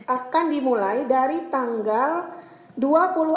akan dimulai dari tanggal